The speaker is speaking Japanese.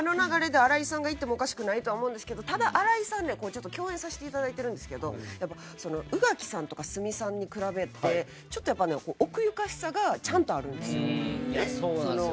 新井さんがいってもおかしくないと思うんですがただ、新井さんは共演させていただいてるんですけど宇垣さんとか鷲見さんに比べて奥ゆかしさがあるんです。